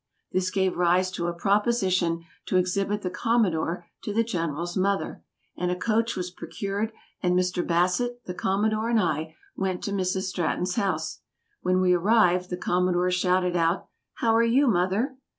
This gave rise to a proposition to exhibit the Commodore to the General's mother, and a coach was procured, and Mr. Bassett, the Commodore, and I went to Mrs. Stratton's house. When we arrived, the Commodore shouted out: "How are you, mother?"